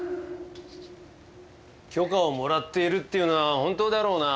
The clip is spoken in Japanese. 許可をもらっているっていうのは本当だろうな？